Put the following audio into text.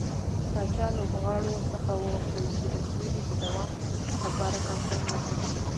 پاچا لوبغاړو څخه وغوښتل چې د سولې د دوام لپاره کمپاين وکړي.